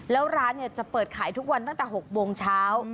แล้วร้านจะเปิดขายทุกวันตั้งแต่๖โมงเช้า